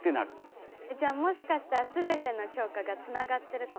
じゃあもしかしたら全ての教科がつながってるかもしれない？